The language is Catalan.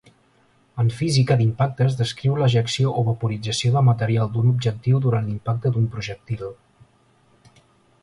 En física d'impactes descriu l'ejecció o vaporització de material d'un objectiu durant l'impacte d'un projectil.